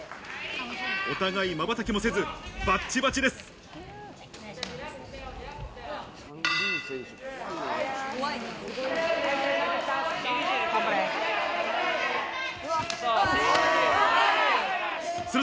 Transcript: お互いまばたきもせずバッチバチです。